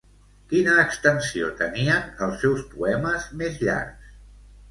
Quina extensió tenien els seus poemes més llargs?